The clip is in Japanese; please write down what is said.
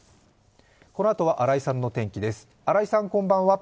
このあとは新井さんのお天気です。